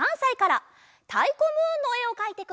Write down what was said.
「たいこムーン」のえをかいてくれました。